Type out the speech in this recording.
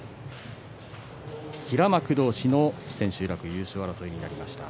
平幕同士の千秋楽優勝争いになりました。